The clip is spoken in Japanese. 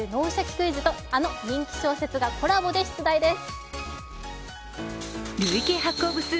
クイズ」とあの人気小説がコラボで出題です。